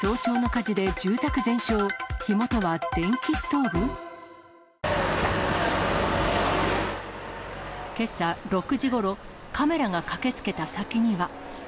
火元は電気ストーブ？けさ６時ごろ、カメラが駆けつけた先には。